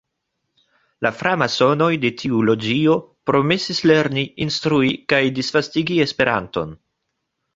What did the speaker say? La framasonoj de tiu loĝio promesis lerni, instrui kaj disvastigi Esperanton.